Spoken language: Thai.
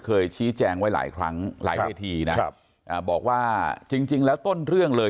เคยชี้แจงไว้หลายครั้งหลายเวทีนะครับอ่าบอกว่าจริงจริงแล้วต้นเรื่องเลย